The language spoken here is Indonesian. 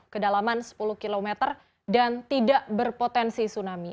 kedalaman sepuluh km dan tidak berpotensi tsunami